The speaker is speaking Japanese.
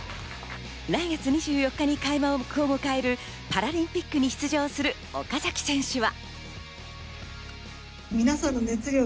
来月２４日に開幕を迎えるパラリンピックに出場する岡崎選手は。